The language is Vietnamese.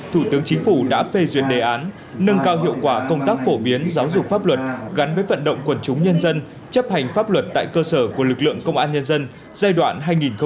thủ tướng chính phủ đã phê duyệt đề án nâng cao hiệu quả công tác phổ biến giáo dục pháp luật gắn với vận động quần chúng nhân dân chấp hành pháp luật tại cơ sở của lực lượng công an nhân dân giai đoạn hai nghìn một mươi sáu hai nghìn hai mươi